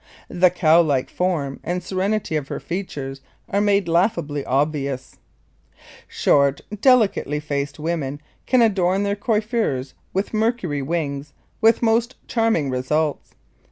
The cow like form and serenity of her features are made laughably obvious. [Illustration: NO. 34] Short, delicately faced women can adorn their coiffures with Mercury wings with most charming results.